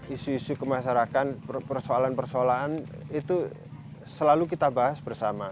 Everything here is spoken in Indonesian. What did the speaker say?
isu isu kemasyarakat persoalan persoalan itu selalu kita bahas bersama